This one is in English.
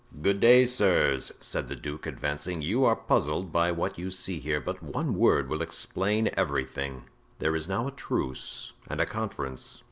"Good day, sirs," said the duke, advancing; "you are puzzled by what you see here, but one word will explain everything. There is now a truce and a conference.